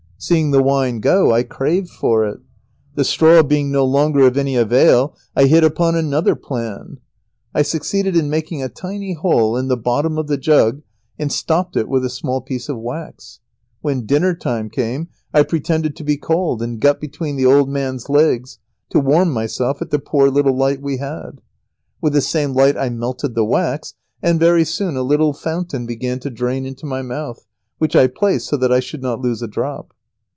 Seeing the wine go I craved for it. The straw being no longer of any avail, I hit upon another plan. I succeeded in making a tiny hole in the bottom of the jug, and stopped it with a small piece of wax. When dinner time came I pretended to be cold, and got between the old man's legs, to warm myself at the poor little light we had. With the same light I melted the wax, and very soon a little fountain began to drain into my mouth, which I placed so that I should not lose a drop.